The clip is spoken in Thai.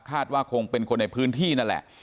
ว่าคงเป็นคนในพื้นที่นั่นแหละ